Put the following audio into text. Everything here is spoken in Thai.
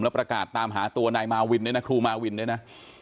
แล้วประกาศตามหาตัวนายมาวินด้วยนะครูมาวินด้วยนะ